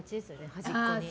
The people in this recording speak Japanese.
端っこに。